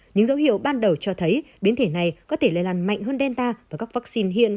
những dấu hiệu ban đầu cho thấy biến thể này có thể lây lan mạnh hơn delta và các vaccine hiện